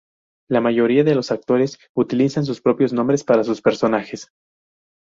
La mayoría de los actores utilizan sus propios nombres para sus personajes.